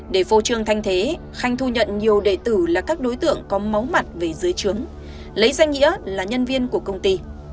để phô trương thanh thế khanh thu nhận nhiều đệ tử là các đối tượng có máu mặt về dưới trướng lấy danh nghĩa là nhân viên của công ty